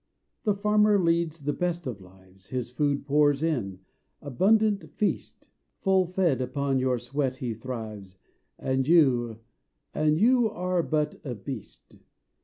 The farmer leads the best of lives, His food pours in: abundant feast; Full fed upon your sweat he thrives; And you and you are but a beast!